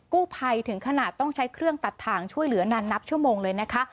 กู้ภัยถึงขนาดต้องใช้เครื่องตัดถ่างช่วยเหลือนานนับชั่วโมงเลยนะคะ